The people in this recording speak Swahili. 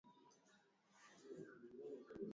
watu wazima kama mbinu ya kufuta ujinga